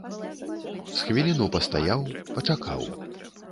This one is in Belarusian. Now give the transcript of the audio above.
З хвіліну пастаяў, пачакаў.